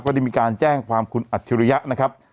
ได้มีการแจ้งความคุณอัจฉริยะนะครับ